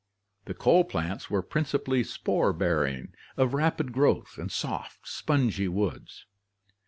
The coal plants were principally spore bearing, of rapid growth, and soft, spongy woods.